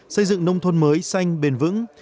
xây dựng nông thôn mới xanh bền vững